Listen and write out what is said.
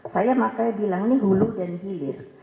saya makanya bilang ini hulu dan hilir